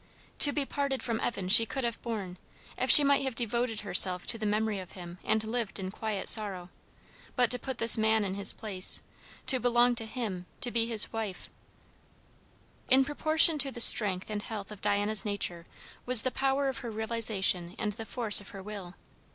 To be parted from Evan she could have borne, if she might have devoted herself to the memory of him and lived in quiet sorrow; but to put this man in his place! to belong to him, to be his wife In proportion to the strength and health of Diana's nature was the power of her realization and the force of her will.